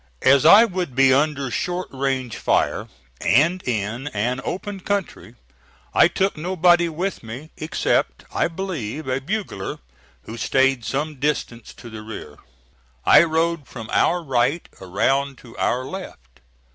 As I would be under short range fire and in an open country, I took nobody with me, except, I believe, a bugler, who stayed some distance to the rear. I rode from our right around to our left.